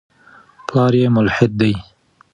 پلار یې ملحد دی.